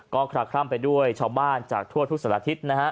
ก็คลักคลั่มไปด้วยชาวบ้านจากทั่วทุกศาลาฒิตนะฮะ